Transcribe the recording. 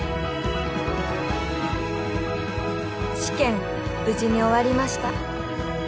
「試験無事に終わりました」